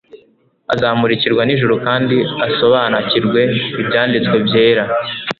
azamurikirwa n'ijuru kandi asobanakirwe Ibyanditswe byera.